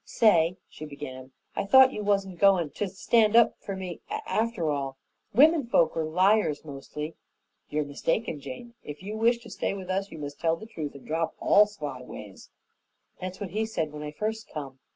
"Say," she began, "I thought you wasn't goin; to stand up for me, after all. Women folks are liars, mostly." "You are mistaken, Jane. If you wish to stay with us, you must tell the truth and drop all sly ways." "That's what he said when I first come."